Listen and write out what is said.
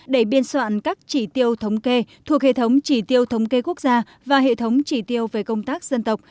để biên soạn các chỉ tiêu thống kê thuộc hệ thống chỉ tiêu thống kê quốc gia và hệ thống chỉ tiêu về công tác dân tộc